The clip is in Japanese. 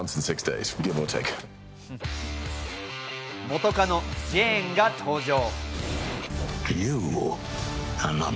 元カノ、ジェーンが登場。